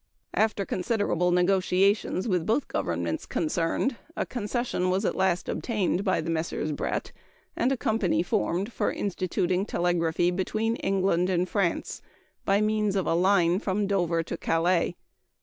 After considerable negotiations with both governments concerned, a concession was at last obtained by the Messrs. Brett, and a company formed for instituting telegraphy between England and France by means of a line from Dover to Calais.